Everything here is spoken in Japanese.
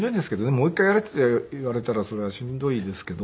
もう一回やれって言われたらそれはしんどいですけど。